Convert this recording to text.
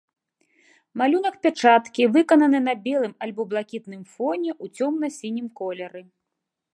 Малюнак пячаткі выкананы на белым альбо блакітным фоне ў цёмна-сінім колеры.